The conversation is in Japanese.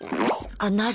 あっなる？